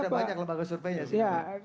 di situ ada banyak lembaga survei ya sih